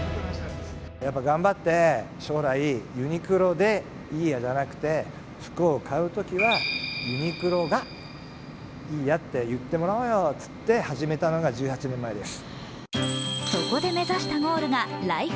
頑張って将来、ユニクロでいい家じゃなくて服を買うときは、ユニクロがいいやって言ってもらおうよって始めたのが１８年前です。